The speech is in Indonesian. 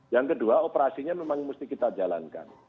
yang kedua operasinya memang mesti kita jalankan